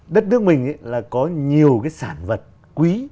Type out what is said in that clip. đất nước mình là có nhiều cái sản vật quý